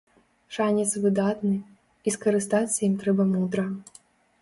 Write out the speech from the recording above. Шанец выдатны, і скарыстацца ім трэба мудра.